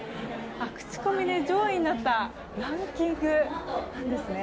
口コミで上位になったランキングなんですね。